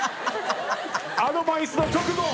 アドバイスの直後。